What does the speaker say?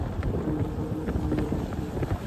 সময়টা সকলের সমান লাগা উচিত নয়।